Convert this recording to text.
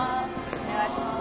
お願いします。